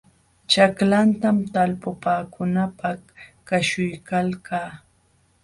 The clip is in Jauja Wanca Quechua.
Ćhaklatam talpupaakunaapaq kaśhuykalkaa.